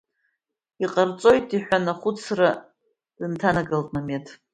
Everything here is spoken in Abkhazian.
Иҟарҵоит, — иҳәан ахәыцра дынҭанагалт, Мемед.